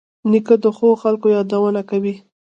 نیکه د ښو خلکو یادونه کوي.